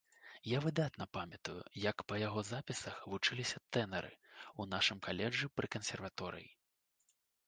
Я выдатна памятаю, як па яго запісах вучыліся тэнары ў нашым каледжы пры кансерваторыі.